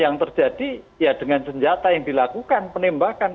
yang terjadi ya dengan senjata yang dilakukan penembakan